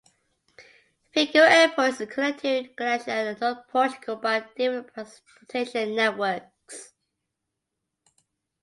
Vigo Airport is connected to Galicia and North Portugal by different transportation networks.